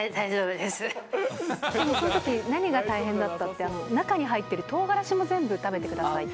でもそのとき、何が大変だったって、中に入ってるとうがらしも全部食べてくださいって。